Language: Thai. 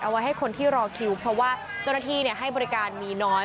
ไว้ให้คนที่รอคิวเพราะว่าเจ้าหน้าที่ให้บริการมีน้อย